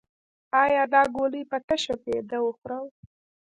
ایا دا ګولۍ په تشه معده وخورم؟